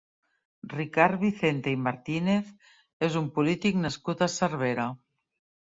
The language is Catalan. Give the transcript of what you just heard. Ricard Vicente i Martínez és un polític nascut a Cervera.